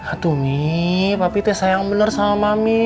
atumi papi teh sayang bener sama mami